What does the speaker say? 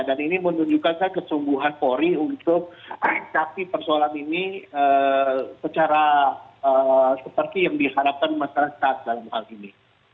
dan ini menunjukkan saya kesembuhan fori untuk mencapai persoalan ini secara seperti yang diharapkan masyarakat dalam hal ini